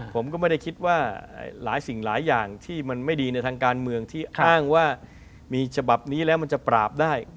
ผมก็ไม่ได้คิดว่าหลายสิ่งหลายอย่างที่มันไม่ดีในทางการเมืองที่อ้างว่ามีฉบับนี้แล้วมันจะปราบได้